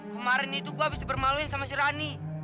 kemarin itu gua habis dipermaluin sama si rani